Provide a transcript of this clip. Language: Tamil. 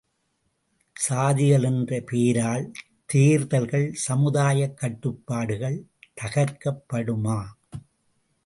சாதிகள் என்ற பேரால் தேர்தல்கள் சமுதயாக் கட்டுப்பாடுகள் தகர்க்கப்படுமா?